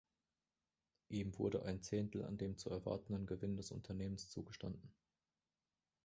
Ihm wurde ein Zehntel an dem zu erwartenden Gewinn des Unternehmens zugestanden.